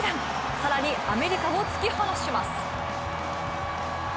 更にアメリカを突き放します。